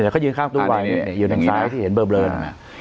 เขายืนข้างตรงไวน์อยู่ดังซ้ายที่เห็นเบอร์เบลิน